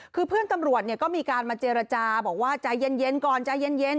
คือเพื่อนตำรวจก็มีการมาเจรจาบอกว่าใจเย็นก่อนใจเย็น